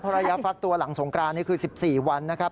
ระยะฟักตัวหลังสงกรานนี่คือ๑๔วันนะครับ